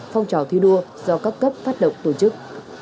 phong trào thi đua do các cấp phát động tổ chức